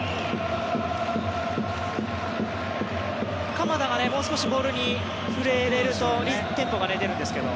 鎌田がもう少しボールに触れれるとテンポが出るんですけど。